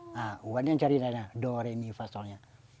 nah uangnya cari nada doremi fasolnya biasanya dengan apa